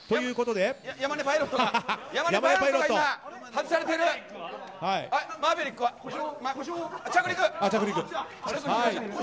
山根パイロットが今外されてる。着陸！